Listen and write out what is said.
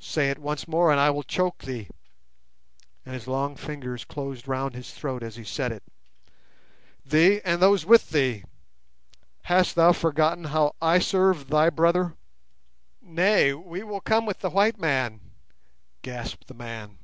Say it once more and I will choke thee"—and his long fingers closed round his throat as he said it—"thee, and those with thee. Hast thou forgotten how I served thy brother?" "Nay, we will come with the white man," gasped the man.